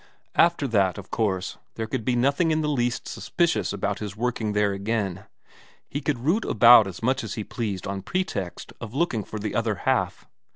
After that, of course, there could be nothing in the least suspicious about his working there again; he could root about as much as he pleased on pretext of looking for the other half.